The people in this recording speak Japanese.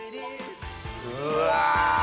うわ！